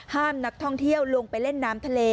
ห้ามนักท่องเที่ยวลงไปเล่นน้ำทะเล